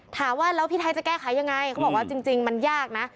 ถามว่าแล้วพี่ไทยจะแก้ไขยังไงเขาบอกว่าจริงมันยากนะ